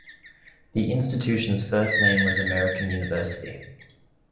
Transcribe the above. The institution's first name was American University.